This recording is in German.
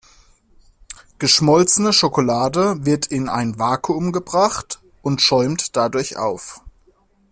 Geschmolzene Schokolade wird in ein Vakuum gebracht und schäumt dadurch auf.